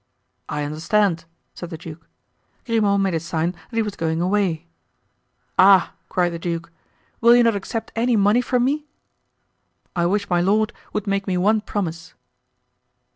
"I understand," said the duke. Grimaud made a sign that he was going away. "Ah!" cried the duke, "will you not accept any money from me?" "I wish my lord would make me one promise."